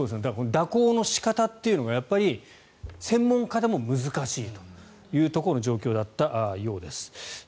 蛇行の仕方というのが専門家でも難しいという状況だったようです。